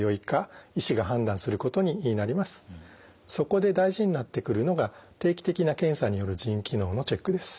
そこで大事になってくるのが定期的な検査による腎機能のチェックです。